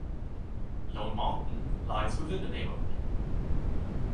Lone Mountain lies within the neighborhood.